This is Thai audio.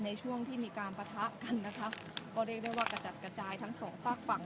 มีผู้ที่ได้รับบาดเจ็บและถูกนำตัวส่งโรงพยาบาลเป็นผู้หญิงวัยกลางคน